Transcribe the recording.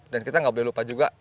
dan kita nggak boleh lupa juga